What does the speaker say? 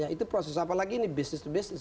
itu proses apalagi ini bisnis bisnis